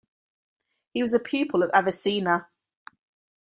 He was a pupil of Avicenna.